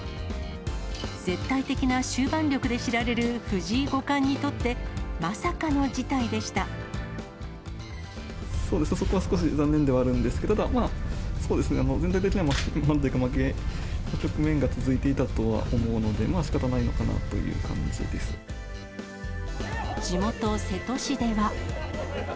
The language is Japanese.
絶対的な終盤力で知られる藤井五冠にとって、そこは少し残念ではあるんですけど、ただ、まあ、そうですね、全体的には負けの局面が続いていたとは思うので、しかたないのか地元、瀬戸市では。